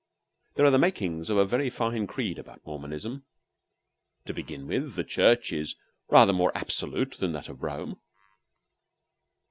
There are the makings of a very fine creed about Mormonism. To begin with, the Church is rather more absolute than that of Rome.